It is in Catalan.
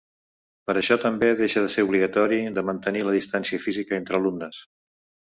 Per això també deixa de ser obligatori de mantenir la distància física entre alumnes.